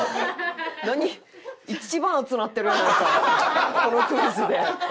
一番熱なってるやないかこのクイズで。